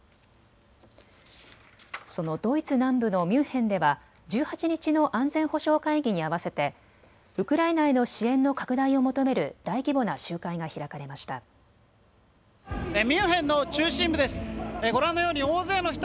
そのドイツ南部のミュンヘンでは１８日の安全保障会議に合わせてウクライナへの支援の拡大を求める大規模な集会が開かれました。